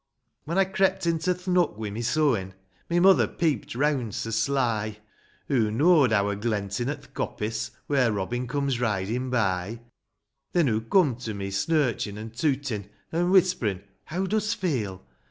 When I crept into th' nook wi' my sewin', My mother peeped reawnd so sly ; Hoo know'd I wur glentin' at th' coppice, Where Robin comes ridin' by ; Then hoo coom to me, snurchin' an' tootin, An' whisperin', " Heaw dost feel?